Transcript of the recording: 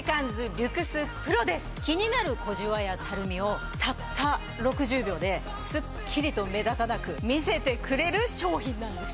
気になる小じわやたるみをたった６０秒でスッキリと目立たなく見せてくれる商品なんです！